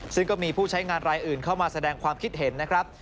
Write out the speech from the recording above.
ซึ่งก็มีผู้ใช้งานรายอื่นเข้ามาแสดงความคิดเห็นนะครับ